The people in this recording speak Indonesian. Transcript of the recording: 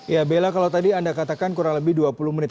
ya bella kalau tadi anda katakan kurang lebih dua puluh menit